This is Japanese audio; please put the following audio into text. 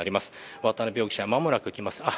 渡辺容疑者、間もなく来ます。